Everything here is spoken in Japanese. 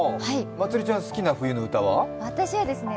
まつりちゃん、好きな冬の歌は？